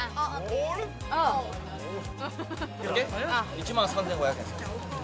１万３５００円です。